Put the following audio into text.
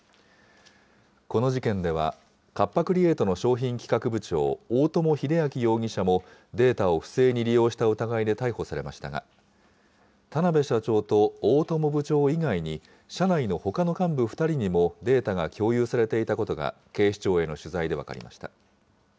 この事件では、カッパ・クリエイトの商品企画部長、大友英昭容疑者も、データを不正に利用した疑いで逮捕されましたが、田邊社長と大友部長以外に、社内のほかの幹部２人にもデータが共有されていたことが、警視庁への取材で分かりました。